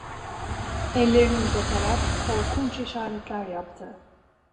Ellerini uzatarak korkunç işaretler yaptı…